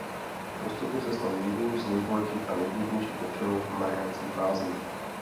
Postupně se stal jedním z nejbohatších a nejvlivnějších občanů Mariánských Lázní.